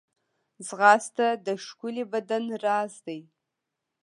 ځغاسته د ښکلي بدن راز دی